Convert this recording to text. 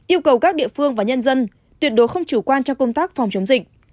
yêu cầu các địa phương và nhân dân tuyệt đối không chủ quan cho công tác phòng chống dịch